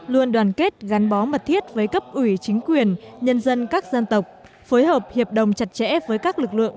luôn đoàn kết gắn bó mật thiết với cấp ủy chính quyền nhân dân các dân tộc phối hợp hiệp đồng chặt chẽ với các lực lượng